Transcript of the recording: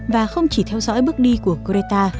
và không chỉ theo dõi bước đi của greta